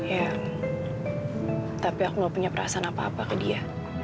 ya tapi aku gak punya perasaan apa apa ke dia